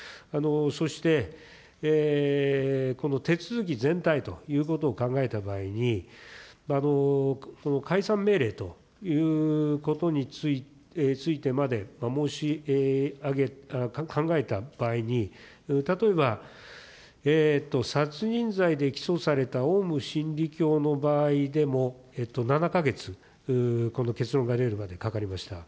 そして、この手続き全体ということを考えた場合に、解散命令ということについてまで申し上げ、考えた場合に、例えば、殺人罪で起訴されたオウム真理教の場合でも、７か月、この結論が出るまでにかかりました。